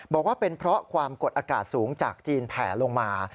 บอกว่าเป็นเพราะความกดอากาศสูงจากจีนแผลลงมา